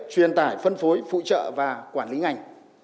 truyền tải phân phối phụ trợ và quản lý ngành